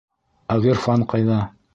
Ә Ғирфан ҡайҙа?